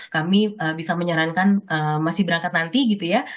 kami bisa menyarankan masih berangkat nanti gitu ya